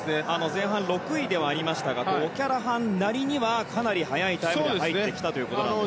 前半６位ではありましたがオキャラハンなりにはかなり早いタイムで入ってきたということですね。